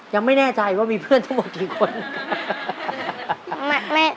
ยังไม่แน่ใจว่ามีเพื่อนทั้งหมดกี่คน